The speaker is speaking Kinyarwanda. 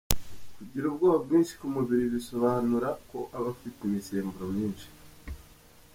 kugira ubwoya bwinshi ku mubiri bisobanura ko aba afite imisemburo myinshi.